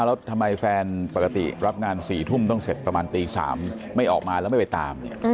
แล้วทำไมแฟนปกติรับงาน๔ทุ่มต้องเสร็จประมาณตี๓ไม่ออกมาแล้วไม่ไปตาม